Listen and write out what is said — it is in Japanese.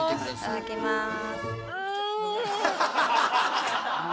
いただきます。